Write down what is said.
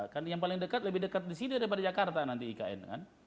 kan yang paling dekat lebih dekat di sini daripada jakarta nanti ikn kan